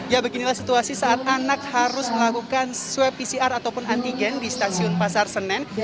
ya beginilah situasi saat anak harus melakukan swab pcr ataupun antigen di stasiun pasar senen